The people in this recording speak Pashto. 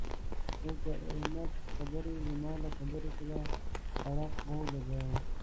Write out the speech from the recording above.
اوس د احمد خبرې زما له خبرې سره اړخ و لګاوو.